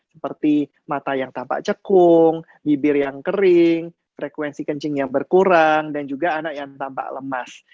seperti mata yang tampak cekung bibir yang kering frekuensi kencing yang berkurang dan juga anak yang tampak lemas